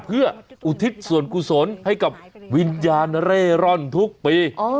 เพื่ออุทิศส่วนกุศลให้กับวิญญาณเร่ร่อนทุกปี